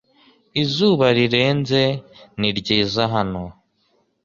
Izuba rirenze ni ryiza hano .